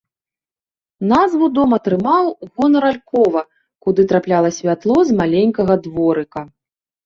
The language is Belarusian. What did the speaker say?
Назву дом атрымаў у гонар алькова, куды трапляла святло з маленькага дворыка.